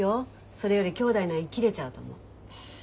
それより姉妹の縁切れちゃうと思う。